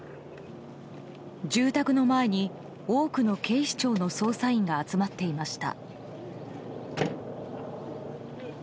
住宅の前に、多くの警視庁の捜査員が集まっていました。